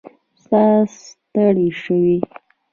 ساه ستړې شوې